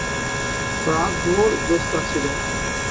রাতভর জোছনা ছিল।